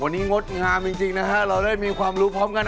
วันนี้งดงามจริงนะฮะเราได้มีความรู้พร้อมกัน